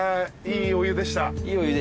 いいお湯でした。